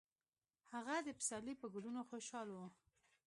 هغه د پسرلي په ګلونو خوشحاله و.